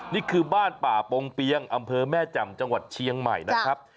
นี่คือบ้านป่าปงเปียงอำเภอแม่แจ่มจังหวัดเชียงใหม่นะครับ